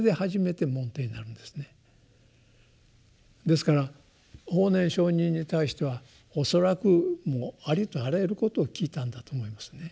ですから法然上人に対しては恐らくもうありとあらゆることを聞いたんだと思いますね。